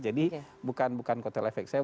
jadi bukan kotel efek saya